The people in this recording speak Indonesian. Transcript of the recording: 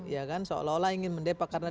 ya kan seolah olah ingin mendepak karena